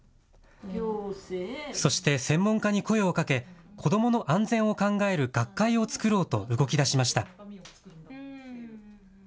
そして専門家に声をかけ子どもの安全を考える学会を作ろうと動きだしました。